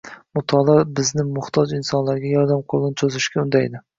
Mutolaa bizni muhtoj insonlarga yordam qo‘lini cho‘zishga undaydi.